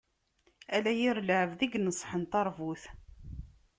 Ala yir lɛebd i yeneṣḥen taṛbut.